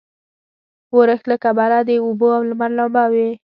ورښت له کبله د اوبو او لمر لمباوې نه وې.